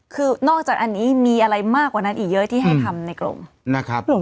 คือนอกจากอันนี้มีอะไรมากกว่านั้นอีกเยอะที่ให้ทำในกรงนะครับ